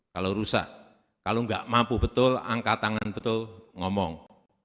kalau rusak kalau nggak mampu betul angkat tangan betul ngomong